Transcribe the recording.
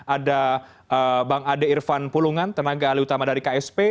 ada bang ade irfan pulungan tenaga ahli utama dari ksp